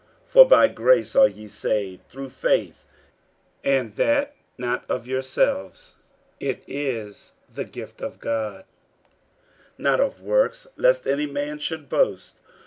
49:002:008 For by grace are ye saved through faith; and that not of yourselves: it is the gift of God: 49:002:009 Not of works, lest any man should boast.